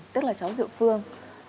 tức là cháu diệu phương